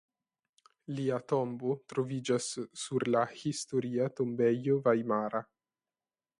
Lia tombo troviĝas sur la Historia tombejo vajmara.